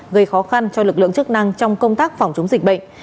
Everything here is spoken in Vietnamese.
gây khó khăn cho lực lượng chức năng trong công tác phòng chống dịch bệnh